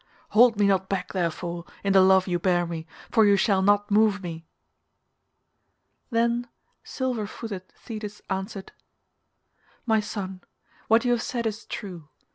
Hold me not back, therefore, in the love you bear me, for you shall not move me." Then silver footed Thetis answered, "My son, what you have said is true.